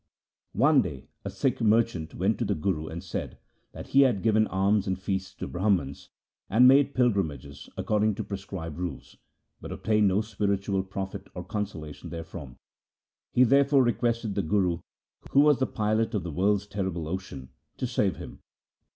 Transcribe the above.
One day a Sikh merchant went to the Guru, and said that he had given alms and feasts to Brahmans, and made pilgrimages according to prescribed rules, but obtained no spiritual profit or consolation there from. He therefore requested the Guru, who was the pilot of the world's terrible ocean, to save him.